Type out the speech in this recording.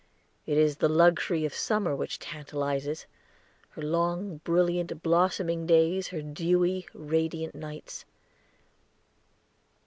It is the luxury of summer which tantalizes her long, brilliant, blossoming days, her dewy, radiant nights.